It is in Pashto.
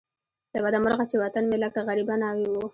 له بده مرغه چې وطن مې لکه غریبه ناوې وو.